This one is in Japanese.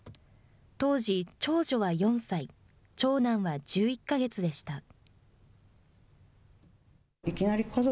当時、長女は４歳、長男は１１か月でした。